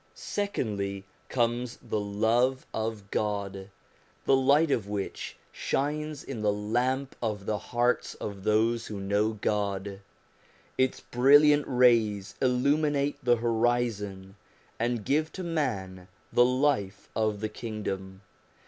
MISCELLANEOUS SUBJECTS 339 Secondly comes the love of God, the light of which shines in the lamp of the hearts of those who know God; its brilliant rays illuminate the horizon and give to man the life of the Kingdom.